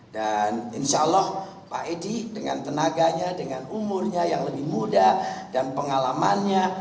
dan insya allah pak eddy dengan tenaganya dengan umurnya yang lebih muda dan pengalamannya